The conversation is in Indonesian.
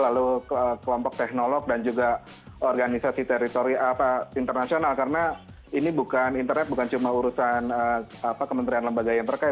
lalu kelompok teknolog dan juga organisasi teritori internasional karena ini bukan internet bukan cuma urusan kementerian lembaga yang terkait